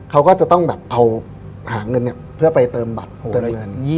เขาก็จะต้องหาเงินเพื่อไปเติมบัตรเติมเงิน